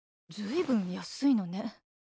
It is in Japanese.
ずいぶん安いのね。